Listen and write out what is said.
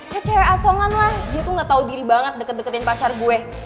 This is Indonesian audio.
ya cewek asongan lah dia tuh ga tau diri banget deket dua in pacar gue